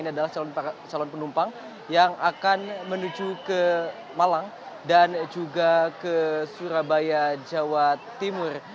ini adalah calon penumpang yang akan menuju ke malang dan juga ke surabaya jawa timur